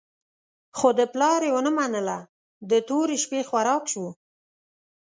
خو د پلار یې ونه منله، د تورې شپې خوراک شو.